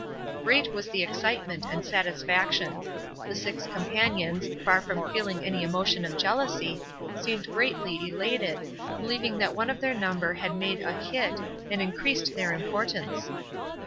Great was the excitement and satisfaction. The six companions, far from feeling any emotion of jealousy, seemed greatly elated, believing that one of their number had made a "hit," and increased their importance.